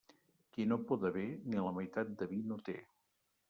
Qui no poda bé, ni la meitat de vi no té.